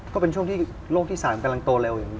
ก็เป็นช่วงที่โลกที่๓กำลังโตเร็วอย่างนี้